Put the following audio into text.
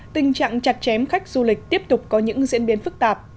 tình trạng chặt chém khách du lịch tiếp tục có những diễn biến phức tạp